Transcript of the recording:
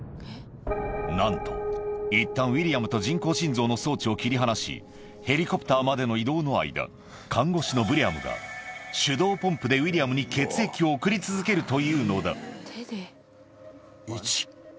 なんと、いったんウィリアムと人工心臓の装置を切り離し、ヘリコプターまでの移動の間、看護師のブレアムが手動ポンプでウィリアムに血液を送り続けると１、２、３。